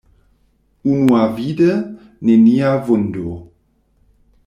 Unuavide, nenia vundo.